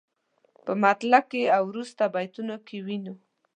په مطلع کې او وروسته بیتونو کې وینو.